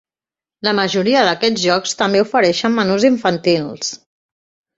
La majoria d'aquests llocs també ofereixen menús infantils.